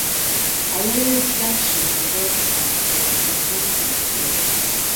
A railway junction developed at Bockenheimer Warte.